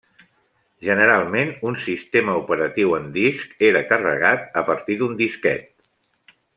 Generalment, un sistema operatiu en disc era carregat a partir d'un disquet.